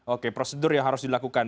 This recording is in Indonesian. oke prosedur yang harus dilakukan